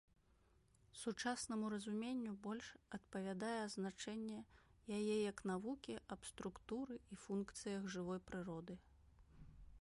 Сучаснаму разуменню больш адпавядае азначэнне яе як навукі аб структуры і функцыях жывой прыроды.